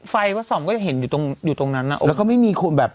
ว่าส่องก็จะเห็นอยู่ตรงอยู่ตรงนั้นอ่ะแล้วก็ไม่มีคนแบบ